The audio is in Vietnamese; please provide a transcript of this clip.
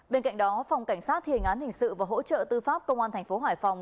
bên cạnh đó phòng cảnh sát thiền án hình sự và hỗ trợ tư pháp công an thành phố hải phòng